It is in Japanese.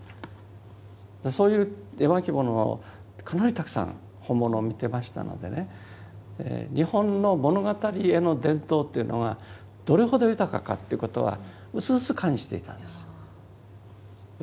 そういう絵巻物をかなりたくさん本物を見てましたのでね日本の物語絵の伝統というのがどれほど豊かかということはうすうす感じていたんです。